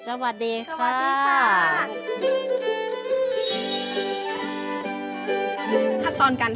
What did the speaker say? สวัสดีค่ะ